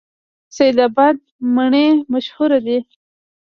سید اباد مڼې مشهورې دي؟